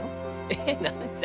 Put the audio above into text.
えっ何じゃ？